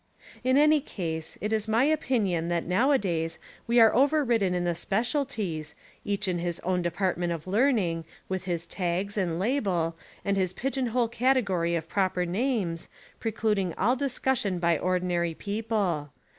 In any case, it Is my opinion that now a days we are overridden In the specialties, each in his own department of learning, with his tags, and label, and his pigeon hole category of proper names, precluding all discussion by ordi nary people.